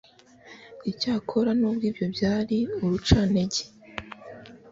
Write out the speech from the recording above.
icyakora nubwo ibyo byari urucantege